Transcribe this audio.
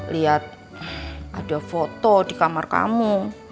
lihat ada foto di kamar kamu